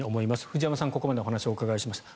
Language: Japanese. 藤山さんにここまでお話をお伺いしました。